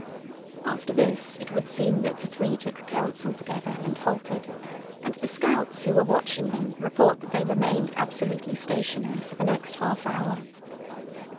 After this it would seem that the three took counsel together and halted, and the scouts who were watching them report that they remained absolutely stationary for the next half hour.